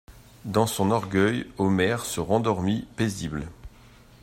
Dans son orgueil, Omer se rendormit, paisible.